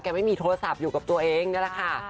แกไม่มีโทรศัพท์อยู่ก็ตัวเองนะคะ